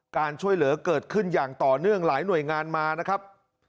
การช่วยเหลือเกิดขึ้นอย่างต่อเนื่องหลายหน่วยงานมานะครับ